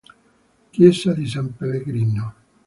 Chiesa di San Pellegrino